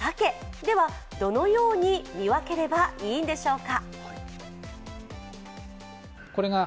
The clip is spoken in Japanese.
では、どのように見分ければいいんでしょうか。